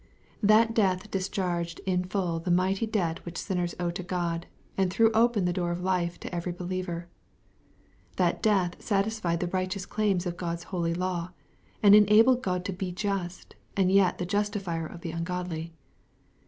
That death discharged in full the mighty debt which sinners owe to God, and threw open the door of life to every believer. That death satisfied the righteous claims of God's holy law, and enabled God to be just, and yet the justifier of the ungodly.